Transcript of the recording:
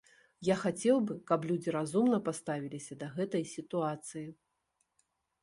Я хацеў бы, каб людзі разумна паставіліся да гэтай сітуацыі.